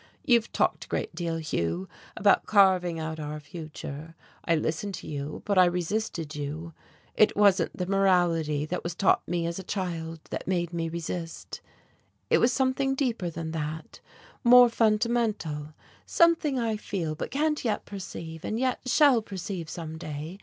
You've talked a great deal, Hugh, about carving out our future. I listened to you, but I resisted you. It wasn't the morality that was taught me as a child that made me resist, it was something deeper than that, more fundamental, something I feel but can't yet perceive, and yet shall perceive some day.